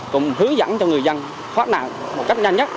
cũng hướng dẫn cho người dân thoát nạn một cách nhanh nhất